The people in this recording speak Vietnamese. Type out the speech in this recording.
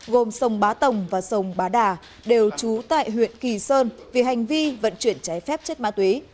gồm sông bá tồng và sông bá đà đều trú tại huyện kỳ sơn vì hành vi vận chuyển trái phép chất ma túy